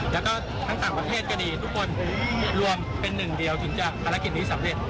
แล้วก็ทั้งต่างประเทศก็ดีทุกคนรวมเป็นหนึ่งเดียวถึงจะภารกิจนี้สำเร็จ